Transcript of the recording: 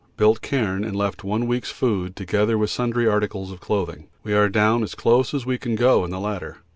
Built cairn and left one week's food together with sundry articles of clothing. We are down as close as we can go in the latter.